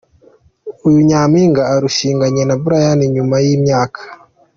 Uyu nyampinga arushinganye na Brayan nyuma yimyaka.